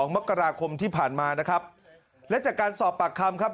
มกราคมที่ผ่านมานะครับและจากการสอบปากคำครับ